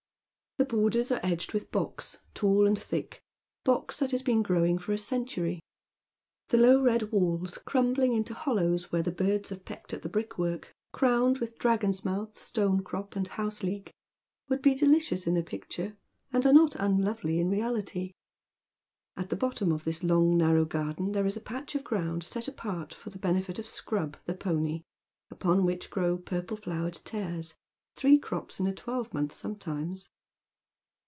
The borders are edged with box, tall and thick, — box that has been gro\\ ing for a century. The low red walls, crumbling into hollows where the birds have pecked at the brickwork, crowned with di agon's mouth, stonecrop, and houseleek, would be delicious in a picture, and are not unlovely in reality. At the bottom of this long narrow garden there is a patch of ground set ap rt for thebenefit of Scrub, the pony, upon which gi ow purple flowered tares, thj'ee •crops in a twelvemonth sometimes.